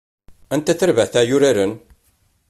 Anta tarbaɛt ara yuraren?